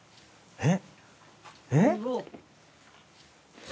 えっ！